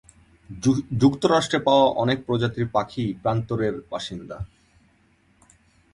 যুক্তরাষ্ট্রে পাওয়া অনেক প্রজাতির পাখিই প্রান্তরের বাসিন্দা।